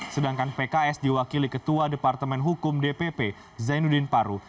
sedangkan pks diwakili ketua departemen hukum dpp zainuddin paru